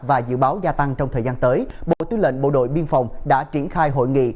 và dự báo gia tăng trong thời gian tới bộ tư lệnh bộ đội biên phòng đã triển khai hội nghị